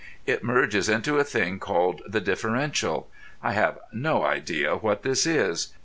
It merges into a thing called the Differential. I have no idea what this is.